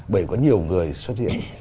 bởi vì có nhiều người xuất hiện